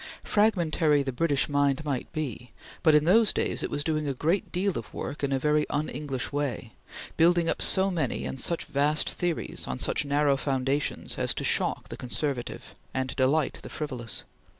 Fragmentary the British mind might be, but in those days it was doing a great deal of work in a very un English way, building up so many and such vast theories on such narrow foundations as to shock the conservative, and delight the frivolous.